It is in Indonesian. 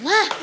aduh aku lah